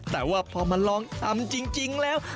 แต่ว่าพอมาลองทำจริงแล้ว